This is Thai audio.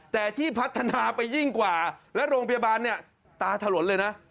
แต่ที่พัฒนาไปยิ่งกว่าและโรงพยาบาลเนี่ยตาถลนเลยนะ